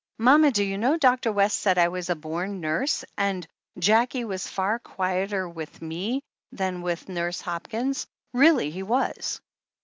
"Mama, do you know Dr. West said I was a bom nurse and Jackie was far quieter with me than with Nurse Hop kins — ^really he was."